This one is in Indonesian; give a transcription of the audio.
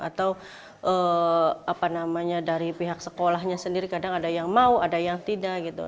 atau apa namanya dari pihak sekolahnya sendiri kadang ada yang mau ada yang tidak gitu